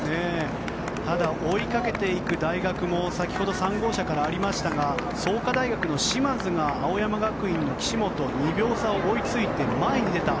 ただ、追いかけていく大学も先ほど、３号車からありましたが創価大学の嶋津が青山学院の岸本を２秒差を追いついて前に出た。